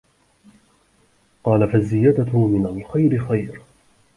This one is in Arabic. قَالَ فَالزِّيَادَةُ مِنْ الْخَيْرِ خَيْرٌ